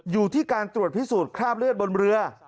อยู่ที่การตรวจพิสูจน์คราบเลือดบนเรือ